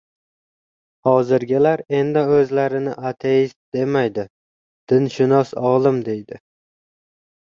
Hozirgilar endi o‘zlarini «ateist» demaydi, «dinshunos olim» deydi.